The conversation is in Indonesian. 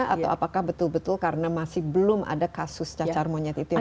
atau apakah betul betul karena masih belum ada kasus cacar monyet itu yang